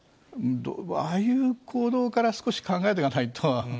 ああいう行動から少し考えていかないと。